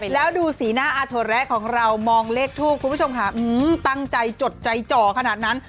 แล้วดูสีหน้าอาถั่วแระของเรามองเลขทูปคุณผู้ชมค่ะตั้งใจจดใจจ่อขนาดนั้น